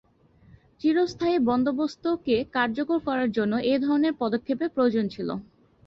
চিরস্থায়ী বন্দোবস্ত কে কার্যকর করার জন্য এ ধরনের পদক্ষেপের প্রয়োজন ছিল।